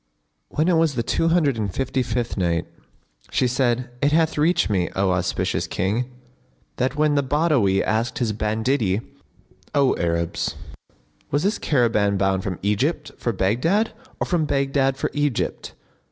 When it was the Two Hundred and Fifty fifth Night, She said, It hath reached me, O auspicious King, that when the Badawi asked his banditti, "O Arabs, was this caravan bound from Egypt for Baghdad or from Baghdad for Egypt?"